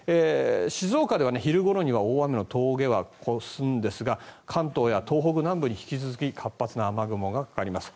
静岡では昼ごろには大雨の峠は越すんですが関東や東北南部に引き続き活発な雨雲がかかります。